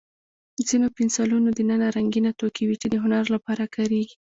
د ځینو پنسلونو دننه رنګینه توکي وي، چې د هنر لپاره کارېږي.